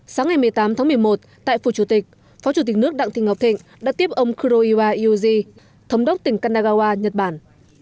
sáng ngày một mươi tám tháng một mươi một tại phủ chủ tịch phó chủ tịch nước đặng thị ngọc thịnh đã tiếp ông kuroiwa yuji thống đốc tỉnh kanagawa nhật bản